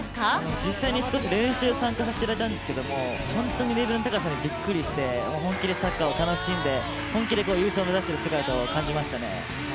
実際に少し練習参加させてもらったんですけど本当にレベルの高さにびっくりして、本気で優勝目指している姿を感じましたね。